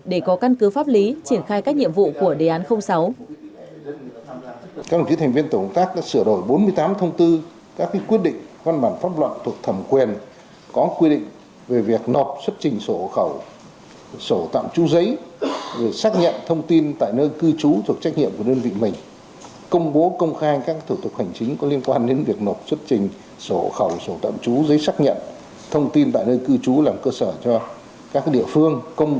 để có căn cứ pháp lý triển khai các nhiệm vụ của đề án sáu